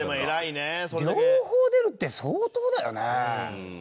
両方出るって相当だよね。